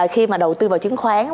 khi mà đầu tư vào chứng khoán